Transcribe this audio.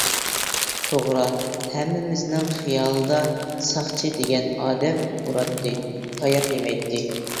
توغرا ھەممىمىزنىڭ خىيالىدا ساقچى دېگەن ئادەم ئۇراتتى، تاياق يېمەيتتى.